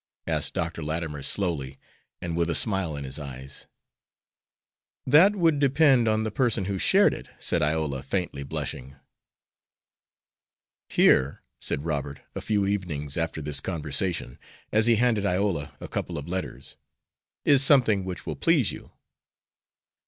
asked Dr. Latimer, slowly, and with a smile in his eyes. "That would depend on the person who shared it," said Iola, faintly blushing. "Here," said Robert, a few evenings after this conversation, as he handed Iola a couple of letters, "is something which will please you."